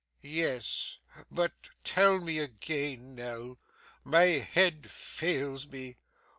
'Yes. But tell me again, Nell. My head fails me.